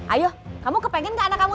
ayo kamu kepengen gak anak kamu